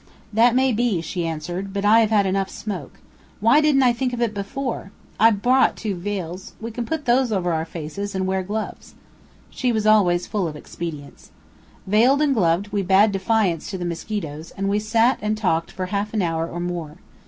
"That may be," she answered, "but I have had enough smoke. Why didn't I think of it before? I brought two veils! We can put these over our faces, and wear gloves." She was always full of expedients. Veiled and gloved, we bade defiance to the mosquitoes, and we sat and talked for half an hour or more.